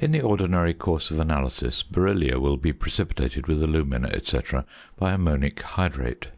In the ordinary course of analysis, beryllia will be precipitated with alumina, &c., by ammonic hydrate.